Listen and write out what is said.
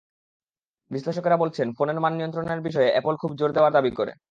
বিশ্লেষকেরা বলছেন, ফোনের মান নিয়ন্ত্রণের বিষয়ে অ্যাপল খুব জোর দেওয়ার দাবি করে।